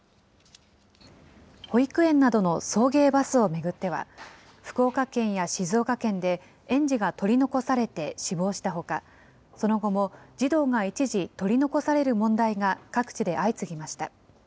保育園などの送迎バスを巡っては、福岡県や静岡県で園児が取り残されて死亡したほか、その後も児童が一時、取り残される問題が各地で相次ぎました。